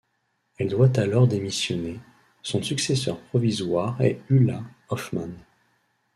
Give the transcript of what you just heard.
Elle doit alors démissionner; son successeur provisoire est Ulla Hoffman.